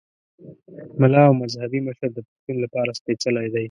ملا او مذهبي مشر د پښتون لپاره سپېڅلی دی.